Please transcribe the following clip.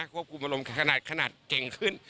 ควบคุมอารมณ์ขนาดเก่งขึ้น